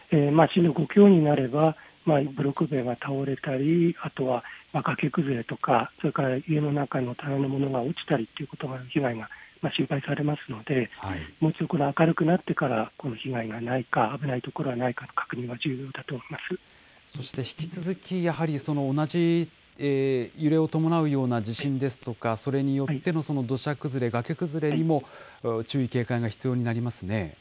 震度５強になれば、ブロック塀が倒れたり、あとは崖崩れとか、それから家の中の棚のものが落ちたりということが、被害が心配されますので、もうちょっと明るくなってから、この被害がないか、危ない所がないか、そして引き続き、やはり同じ揺れを伴うような地震ですとか、それによっての土砂崩れ、崖崩れにも注意、警戒が必要になりますね。